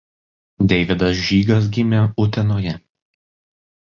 Deividas Žygas gimė Utenoje.